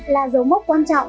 là dấu mốc quan trọng